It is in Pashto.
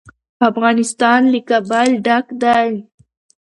افغانستان له کابل ډک دی.